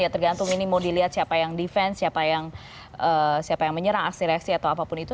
tergantung ini mau dilihat siapa yang defense siapa yang menyerang aksi reaksi atau apapun itu